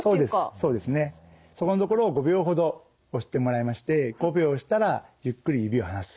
そうですねそこの所を５秒ほど押してもらいまして５秒押したらゆっくり指を離す。